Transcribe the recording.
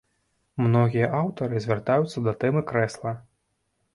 Многія аўтары звяртаюцца да тэмы крэсла.